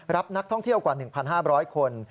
รับนักท่องเที่ยวกว่า๑๕๐๐คน